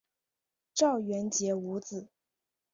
赵元杰无子。